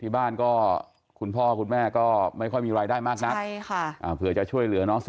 ที่บ้านก็คุณพ่อคุณแม่ก็ไม่ค่อยมีรายได้มากนักเผื่อจะช่วยเหลือน้อง